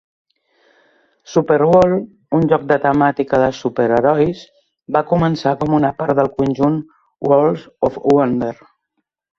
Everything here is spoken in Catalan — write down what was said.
"Superworld", un joc de temàtica de superherois, va començar com una part del conjunt "Worlds of Wonder".